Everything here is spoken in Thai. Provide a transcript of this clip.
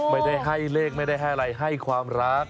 ไม่ได้ให้เลขไม่ได้ให้อะไรให้ความรัก